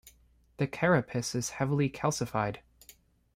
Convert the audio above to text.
The carapace is heavily calcified.